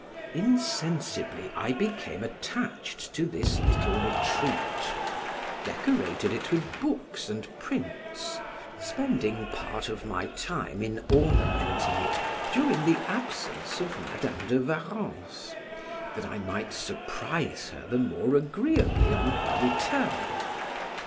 Insensibly I became attached to this little retreat, decorated it with books and prints, spending part of my time in ornamenting it during the absence of Madam de Warrens, that I might surprise her the more agreeably on her return.